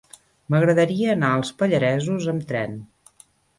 M'agradaria anar als Pallaresos amb tren.